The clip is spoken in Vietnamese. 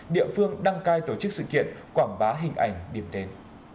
địa phương đăng cai tổ chức sự kiện quảng bá hình ảnh điểm đến